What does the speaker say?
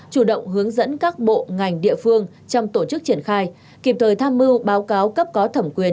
chủ động hướng dẫn các bộ ngành địa phương trong tổ chức triển khai kịp thời tham mưu báo cáo cấp có thẩm quyền